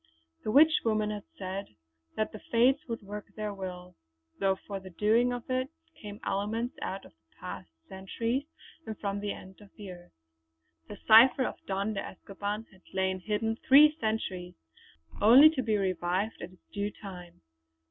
The Witch woman had said that the Fates would work their will, though for the doing of it came elements out of past centuries and from the ends of the earth. The cipher of Don de Escoban had lain hidden three centuries, only to be revived at its due time.